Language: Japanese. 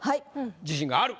自信がある？